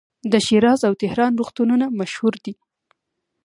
د شیراز او تهران روغتونونه مشهور دي.